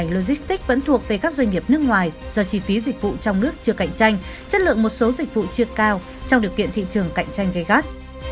logistics vẫn thuộc về các doanh nghiệp nước ngoài do chi phí dịch vụ trong nước chưa cạnh tranh chất lượng một số dịch vụ chưa cao trong điều kiện thị trường cạnh tranh gây gắt